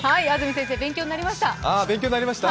安住先生、勉強になりました